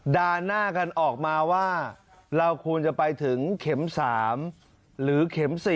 หน้ากันออกมาว่าเราควรจะไปถึงเข็ม๓หรือเข็ม๔